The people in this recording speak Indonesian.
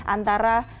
antara direkturat jenis